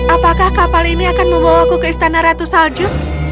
apakah kapal ini akan membawaku ke istana ratu salju